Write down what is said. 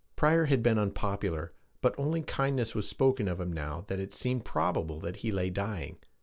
Pryor had been unpopular, but only kindness was spoken of him now that it seemed probable that he lay dying.